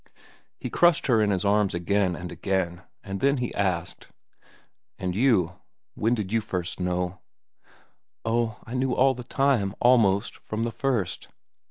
He crushed her in his arms again and again, and then asked: "And you? When did you first know?" "Oh, I knew it all the time, almost, from the first."